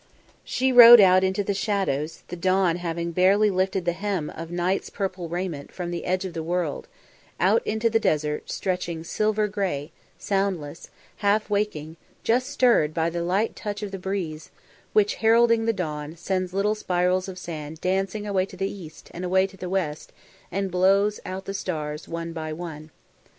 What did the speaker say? She rode out into the shadows, the dawn having barely lifted the hem of night's purple raiment from the edge of the world; out into the desert stretching silver grey, soundless, half waking; just stirred by the light touch of the breeze, which, heralding the dawn, sends little spirals of sand dancing away to the east and away to the west and blows out the stars one by one.